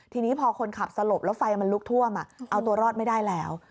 ทีนี้พอคนขับสลบแล้วไฟมันลุกท่วมเอาตัวรอดไม่ได้แล้ว